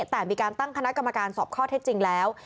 แต่มีการตั้งคณะกรรมการสอบข้อเท็จจริงแล้ว